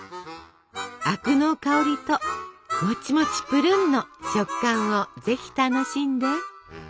灰汁の香りともちもちぷるんの食感をぜひ楽しんで！